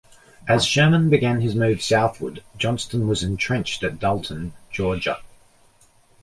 As Sherman began his move southward, Johnston was entrenched at Dalton, Georgia.